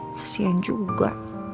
masih yang juga